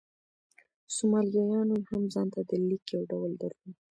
سومالیایانو هم ځان ته د لیک یو ډول درلود.